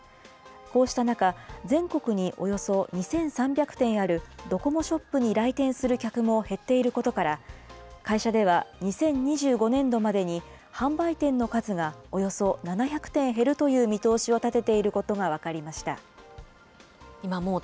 こうした中、全国におよそ２３００店あるドコモショップに来店する客も減っていることから、会社では２０２５年度までに、販売店の数がおよそ７００店減るという見通しを立てていることが今もう、